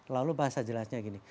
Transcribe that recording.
lalu bahasa jelasnya gini